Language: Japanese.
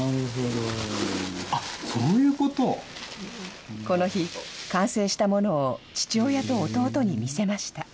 あっ、この日、完成したものを父親と弟に見せました。